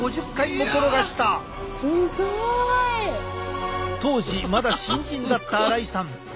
すごい。当時まだ新人だった荒井さん。